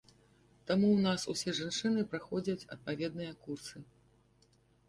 Таму ў нас усе жанчыны праходзяць адпаведныя курсы.